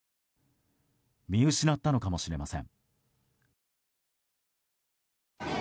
見失ったのかもしれません。